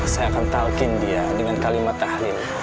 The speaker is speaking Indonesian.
saya akan talk in dia dengan kalimat tahlil